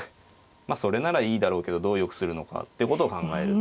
まあそれならいいだろうけどどうよくするのかっていうことを考える。